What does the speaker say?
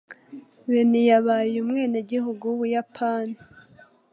Beni yabaye umwenegihugu w'Ubuyapani.